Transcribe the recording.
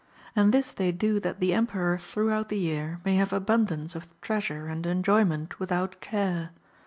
And this they do that the Emperor throughout the year may have abundance of treasure and enjoyment without care.